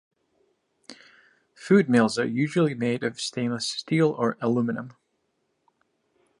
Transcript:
Food mills are usually made of stainless steel or aluminum.